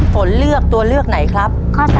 ฝนเลือกตัวเลือกไหนครับ